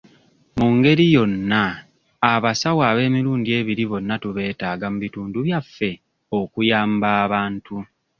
Mu ngeri yonna abasawo ab'emirundi ebiri bonna tubeetaaga mu bitundu byaffe okuyamba abantu.